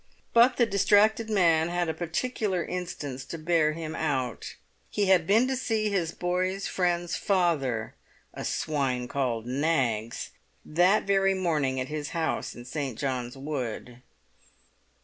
But the distracted man had a particular instance to bear him out; he had been to see his boy's friends' father, "a swine called Knaggs," that very morning at his house in St. John's Wood.